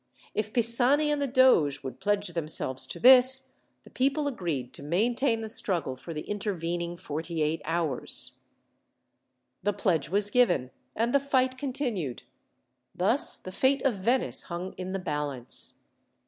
If Pisani and the doge would pledge themselves to this, the people agreed to maintain the struggle for the intervening forty eight hours. The pledge was given, and the fight continued. Thus, the fate of Venice hung in the balance.